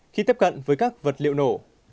khi tiếp cận với các vật liệu nổ